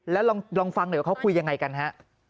แล้วลองฟังหน่อยว่าเขาคุยยังไงกันฮะ